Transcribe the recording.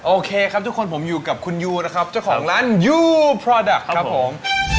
โอเคครับทุกคนผมอยู่กับคุณยูนะครับเจ้าของร้านยูพรอดักษ์ครับผม